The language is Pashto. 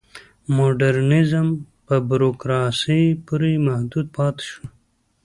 مډرنیزم په بوروکراسۍ پورې محدود پاتې شو.